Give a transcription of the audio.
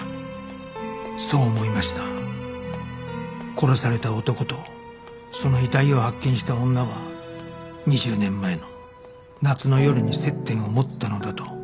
殺された男とその遺体を発見した女は２０年前の夏の夜に接点を持ったのだと